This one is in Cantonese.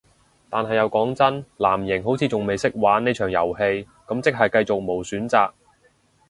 但係又講真，藍營好似仲未識玩呢場遊戲，咁即係繼續無選擇